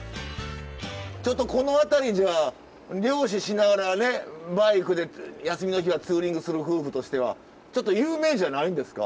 ちょっとこの辺りじゃ漁師しながらバイクで休みの日はツーリングする夫婦としては有名じゃないんですか？